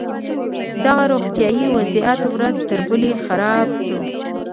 د هغه روغتيايي وضعيت ورځ تر بلې خراب شو.